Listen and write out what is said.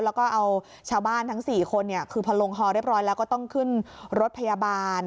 แล้วก็เอาชาวบ้านทั้ง๔คนคือพอลงฮอเรียบร้อยแล้วก็ต้องขึ้นรถพยาบาล